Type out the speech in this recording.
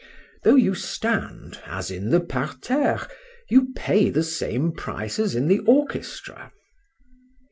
Though you stand, as in the parterre, you pay the same price as in the orchestra.